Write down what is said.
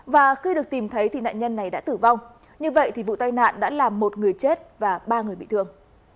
và khi được tìm thấy thì nạn nhân này đã tử vong như vậy thì vụ tai nạn đã làm một người chết và ba người bị thương